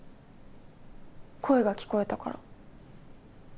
声が聞こえたから。